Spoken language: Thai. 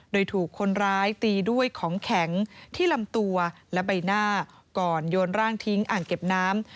โดยถูกคนร้ายตีด้วยของแข็งที่ลำตัวและใบหน้าก่อนโยนร่างทิ้งอ่างเก็บน้ำ